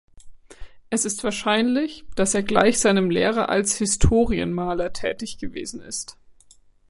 Es ist wahrscheinlich, dass er gleich seinem Lehrer als Historienmaler tätig gewesen ist.